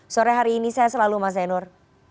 sore hari ini saya selalu mazainur